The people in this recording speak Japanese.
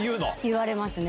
言われますね。